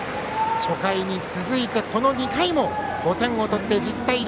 初回に続いて、この２回も５点を取って１０対０。